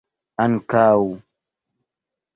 ankaŭ